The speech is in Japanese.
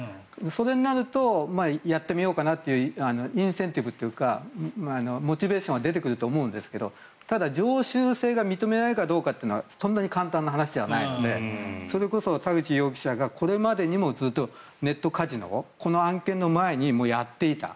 それになるとやってみようかなとインセンティブというかモチベーションは出てくると思うんですがただ、常習性が認められるかどうかはそんなに簡単な話じゃないのでそれこそ田口容疑者がこれまでにもずっとネットカジノをこの案件の前にやっていた。